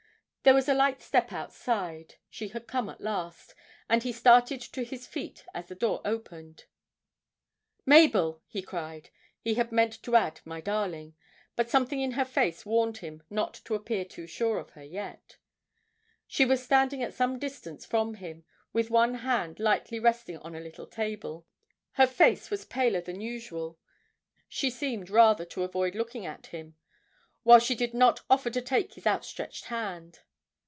There was a light step outside, she had come at last, and he started to his feet as the door opened. 'Mabel!' he cried he had meant to add 'my darling' but something in her face warned him not to appear too sure of her yet. She was standing at some distance from him, with one hand lightly resting on a little table; her face was paler than usual, she seemed rather to avoid looking at him, while she did not offer to take his outstretched hand.